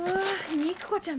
肉子ちゃん